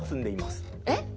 えっ？